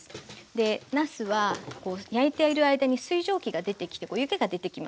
でなすは焼いている間に水蒸気が出てきて湯気が出てきます。